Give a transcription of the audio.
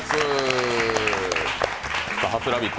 初「ラヴィット！」